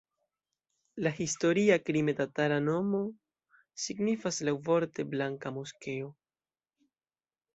La historia krime-tatara nomo signifas laŭvorte "blanka moskeo".